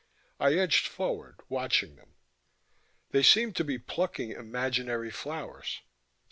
I edged forward, watching them. They seemed to be plucking imaginary flowers.